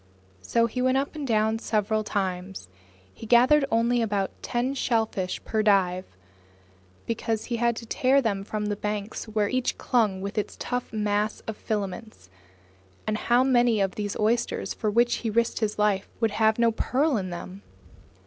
So he went up and down several times. He gathered only about ten shellfish per dive, because he had to tear them from the banks where each clung with its tough mass of filaments. And how many of these oysters for which he risked his life would have no pearl in them!